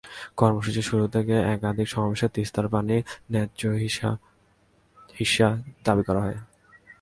কর্মসূচির শুরু থেকে একাধিক সমাবেশে তিস্তার পানির ন্যায্য হিস্যা দাবি করা হয়।